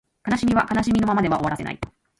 悲しみは悲しみのままでは終わらせない